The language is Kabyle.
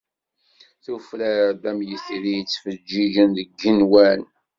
Tufrar-d am yitri yettfeǧǧiǧen deg yigenwan.